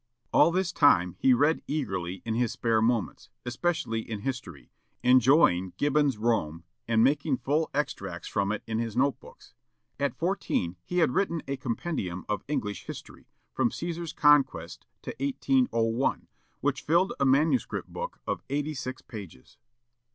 All this time he read eagerly in his spare moments, especially in history, enjoying Gibbon's "Rome," and making full extracts from it in his notebooks. At fourteen he had written a compendium of English history, from Cæsar's conquest to 1801, which filled a manuscript book of eighty six pages.